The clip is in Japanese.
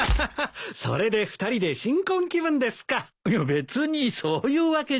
別にそういうわけじゃ。